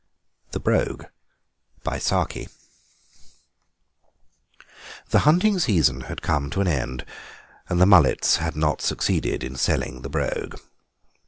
THE BROGUE The hunting season had come to an end, and the Mullets had not succeeded in selling the Brogue.